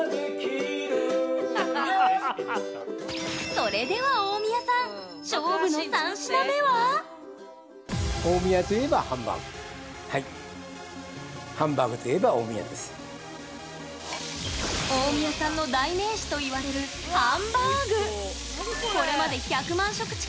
それでは大宮さん大宮さんの代名詞といわれるハンバーグ